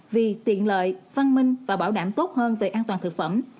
vì tiện lợi văn minh và bảo đảm tốt hơn về an toàn thực phẩm